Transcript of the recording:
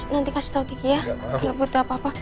nanti kasih tau ke gia kalau butuh apa apa